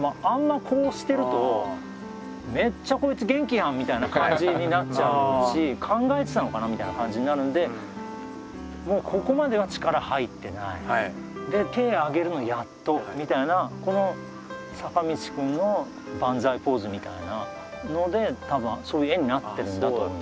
まああんまこうしてると「めっちゃこいつ元気やん」みたいな感じになっちゃうし「考えてたのかな」みたいな感じになるんでもうここまでは力入ってないで手ぇ上げるのやっとみたいなこの坂道くんのバンザイポーズみたいなので多分そういう画になってるんだと思います。